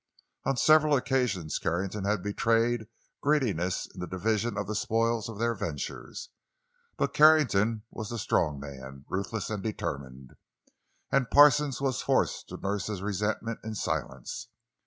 On several occasions Carrington had betrayed greediness in the division of the spoils of their ventures. But Carrington was the strong man, ruthless and determined, and Parsons was forced to nurse his resentment in silence.